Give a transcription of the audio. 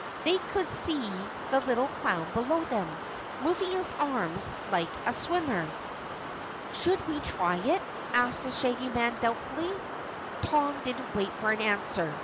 They could see the little clown below them, moving his arms like a swimmer. "Should we try it?" asked the Shaggy Man doubtfully. Tom didn't wait for an answer.